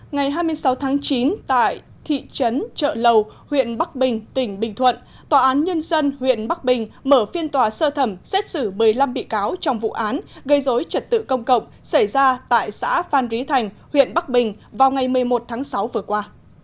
ngày hai mươi sáu tháng chín tại thị trấn trợ lầu huyện bắc bình tỉnh bình thuận tòa án nhân dân huyện bắc bình mở phiên tòa sơ thẩm xét xử một mươi năm bị cáo trong vụ án gây dối trật tự công cộng xảy ra tại xã phan rí thành huyện bắc bình vào ngày một mươi một tháng sáu vừa qua